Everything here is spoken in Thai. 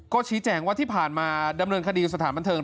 ก็ชี้แจงว่าที่ผ่านมาดำเนินคดีสถานบันเทิง